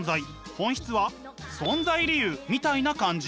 「本質」は存在理由みたいな感じ。